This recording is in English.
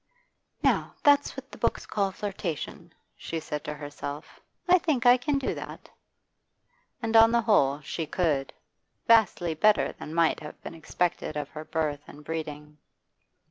'Now, that's what the books call flirtation,' she said to herself. 'I think I can do that.' And on the whole she could, vastly better than might have been expected of her birth and breeding.